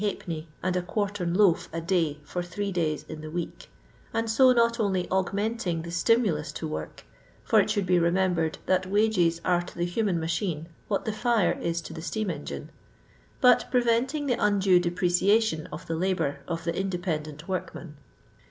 \\d, and a quartern loaf a day for three days in the week, and so not only augmenting the stimulus to work (for it should be remembered that wages are to the human machine what the fire is to the steam engine), but preventing the undue depreciation of the Ubour of the independent workman.